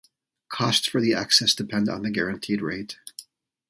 Costs for the access depend on the guaranteed rate.